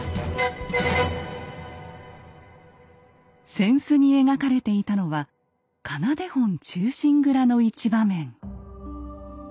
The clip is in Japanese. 扇子に描かれていたのは「仮名手本忠臣蔵」の一場面。